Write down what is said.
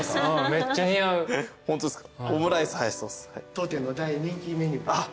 当店の大人気メニューで。